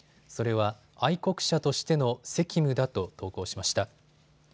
それは愛国者としての責務だと投稿しました。